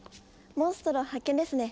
モンストロ発見ですね。